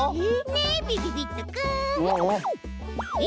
ねびびびっとくん。え？